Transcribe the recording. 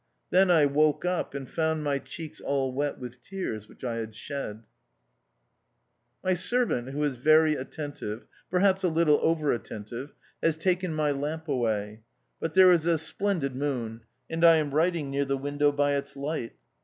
Then I woke up and found my cheeks all wet with tears which I had shed. ••>• My servant, who is very attentive — perhaps a little over attentive — has taken my lamp away, but there is a splendid 3 o THE OUTCAST. nioon, and I am writing near the window by its light.